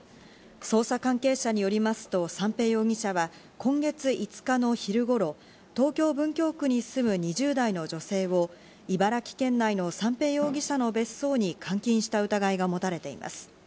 捜査関係者によりますと三瓶容疑者は今月５日の昼頃、東京・文京区に住む２０代の女性を茨城県内の三瓶容疑者の別荘に監禁した疑いが持たれています。